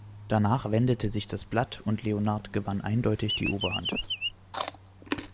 Danach wendete sich das Blatt, und Leonard gewann eindeutig die Oberhand.